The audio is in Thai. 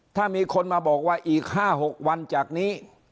ถ้ามีคนมาบอกว่าอีก๕๖วันจากนี้